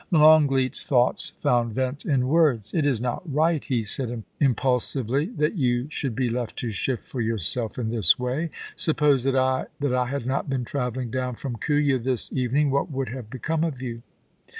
Longleat's thoughts found vent in words. * It is not right,' he said impulsively, * that you should be left to shift for yourself in this way. ... Suppose that I — that I had not been travelling down from Kooya this even ing, what would have become of you